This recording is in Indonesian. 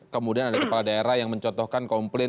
kemudian ada kepala daerah yang mencontohkan komplain